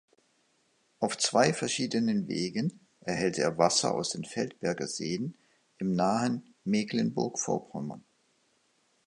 Auf zwei verschiedenen Wegen erhält er Wasser aus den Feldberger Seen im nahen Mecklenburg-Vorpommern.